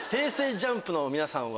ＪＵＭＰの皆さんは？